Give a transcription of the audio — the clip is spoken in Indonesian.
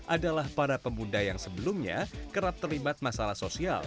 adalah para pemuda yang sebelumnya kerap terlibat masalah sosial